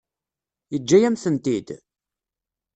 Yeǧǧa-yam-tent-id?